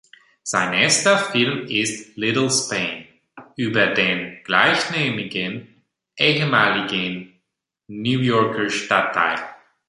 Sein erster Film ist "Little Spain" über den gleichnamigen ehemaligen New Yorker Stadtteil.